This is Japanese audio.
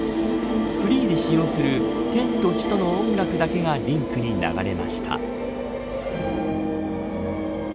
フリーで使用する天と地との音楽だけがリンクに流れました。